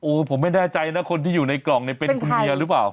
โอ้ผมไม่แน่ใจนะคนที่อยู่ในกล่องนี้เป็นเนี่ยหรือป่าว